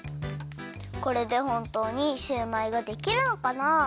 これでほんとうにシューマイができるのかな？